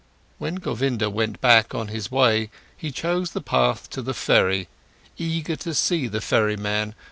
When Govinda went back on his way, he chose the path to the ferry, eager to see the ferryman.